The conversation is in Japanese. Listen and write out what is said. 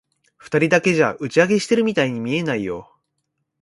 二人だけじゃ、打ち上げしてるみたいに見えないよ。